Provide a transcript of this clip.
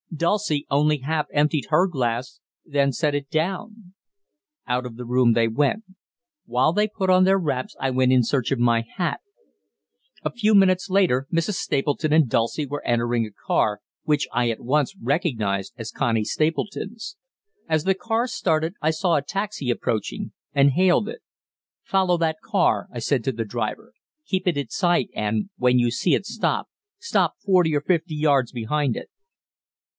Dulcie only half emptied her glass, then set it down. Out of the room they went. While they put on their wraps I went in search of my hat. A few minutes later Mrs. Stapleton and Dulcie were entering a car which I at once recognized as Connie Stapleton's. As the car started I saw a taxi approaching, and hailed it. "Follow that car," I said to the driver. "Keep it in sight, and, when you see it stop, stop forty or fifty yards behind it."